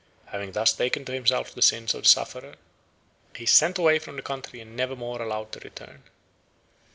Having thus taken to himself the sins of the sufferer, he is sent away from the country and never more allowed to return.